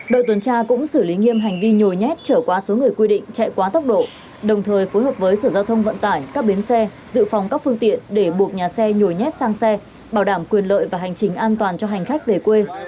đội tuần tra cũng xử lý nghiêm hành vi nhồi nhét trở qua số người quy định chạy quá tốc độ đồng thời phối hợp với sở giao thông vận tải các bến xe dự phòng các phương tiện để buộc nhà xe nhồi nhét sang xe bảo đảm quyền lợi và hành trình an toàn cho hành khách về quê